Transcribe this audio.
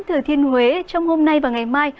từ thiên huế trong hôm nay và ngày mai